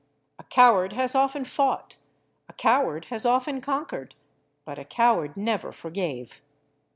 A coward has often fought, a coward has often conquered; but a coward never forgave."